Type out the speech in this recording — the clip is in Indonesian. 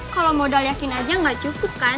kalau modal yakin aja nggak cukup kan